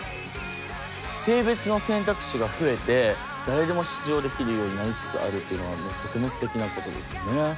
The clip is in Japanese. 性別の選択肢が増えて誰でも出場できるようになりつつあるっていうのはもうとてもすてきなことですよね。